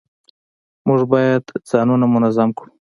موږ باید ځانونه منظم کړو